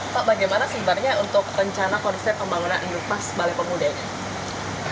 pak bagaimana sebenarnya untuk rencana konsep pembangunan andropas balai pemuda ini